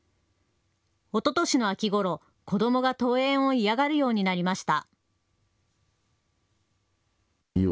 おととしの秋ごろ、子どもが登園を嫌がるようになりました。